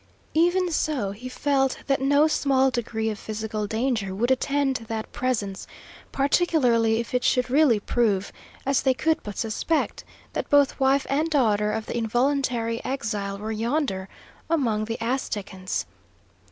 Even so, he felt that no small degree of physical danger would attend that presence, particularly if it should really prove, as they could but suspect, that both wife and daughter of the involuntary exile were yonder, among the Aztecans.